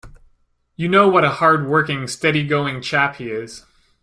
You know what a hard-working, steady-going chap he is.